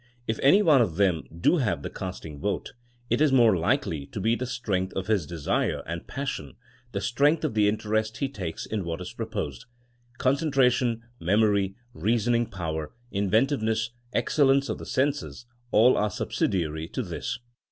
If any one of them do have the casting vote, it is more likely to be the strength of his desire and passion, the strength of the interest he takes in what is proposed. Concentration, memory, reasoning power, inventiveness, excellence of the senses — all are subsidiary to this.